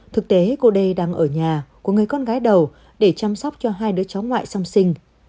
thực tế cô đê đang ở nhà của người con gái đầu để chăm sóc cho hai đứa cháu ngoại song sinh